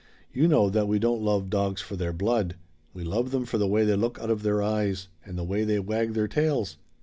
You know that we don't love dogs for their blood. We love them for the way they look out of their eyes, and the way they wag their tails.